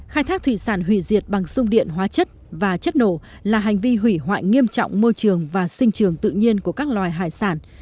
khai thác thủy sản hủy diệt bằng sung điện hóa chất và chất nổ là hành vi hủy hoại nghiêm trọng môi trường và sinh trường tự nhiên của các loài hải sản